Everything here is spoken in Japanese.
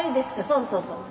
そうそうそう。